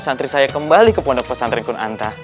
santri saya kembali ke pondok pesantren kunanta